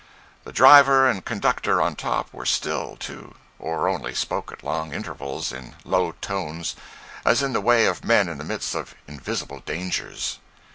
The driver and conductor on top were still, too, or only spoke at long intervals, in low tones, as is the way of men in the midst of invisible dangers.